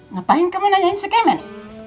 ngapain kamu nanyain si kemen